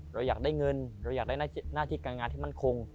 เราอยากได้เงินเราอยากได้หน้าที่การงานที่มั่นคง